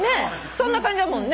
そんな感じだもんね。